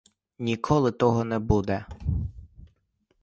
Ніколи того не буде!